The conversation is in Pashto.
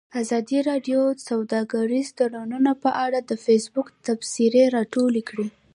ازادي راډیو د سوداګریز تړونونه په اړه د فیسبوک تبصرې راټولې کړي.